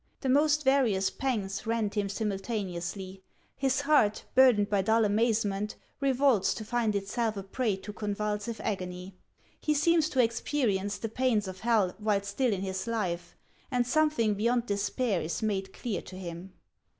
The most various pangs rend him simultaneously. His heart, burdened by dull amazement, revolts to find itself a prey to convulsive agony. He seems to experience the pains of hell while still in this life, and something beyond despair is made clear to him.